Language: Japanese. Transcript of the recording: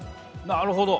なるほど！